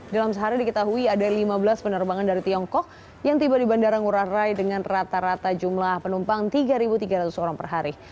dalam sehari diketahui ada lima belas penerbangan dari tiongkok yang tiba di bandara ngurah rai dengan rata rata jumlah penumpang tiga tiga ratus orang per hari